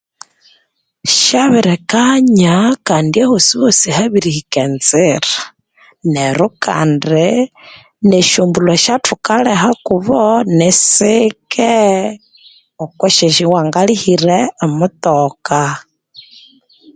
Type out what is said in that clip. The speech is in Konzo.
Syabirikanya kandi ahosi hosi habirihika enzira neru kandi ne syo mbulho esyathukaliha kubo nisike okwi syawangalihire emutoka